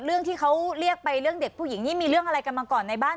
เรื่องที่เขาเรียกไปเรื่องเด็กผู้หญิงนี่มีเรื่องอะไรกันมาก่อนในบ้าน